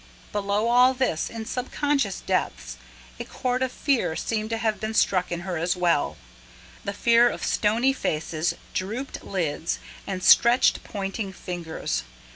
Below all this, in subconscious depths, a chord of fear seemed to have been struck in her as well the fear of stony faces, drooped lids, and stretched, pointing fingers.